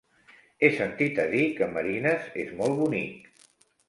He sentit a dir que Marines és molt bonic.